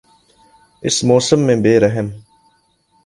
اس موسم میں بے رحم